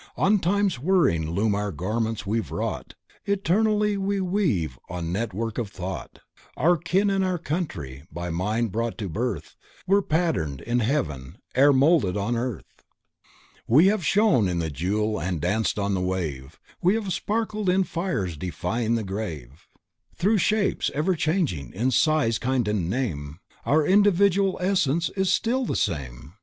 On Time's whirring loom our garments we've wrought Eternally weave we on network of Thought, Our kin and our country, by Mind brought to birth, Were patterned in heaven ere molded on earth. We have shone in the Jewel and danced on the Wave, We have sparkled in Fire defying the grave; Through shapes everchanging, in size, kind and name Our individual essence still is the same.